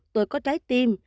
tôi có trái tim